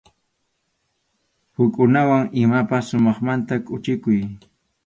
Hukkunawan imapas sumaqmanta quchikuy.